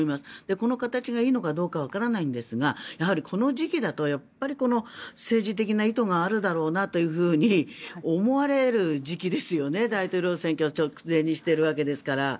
この形がいいのかどうかわからないんですがこの時期だと政治的な意図があるだろうなと思われる時期ですよね大統領選挙直前にしているわけですから。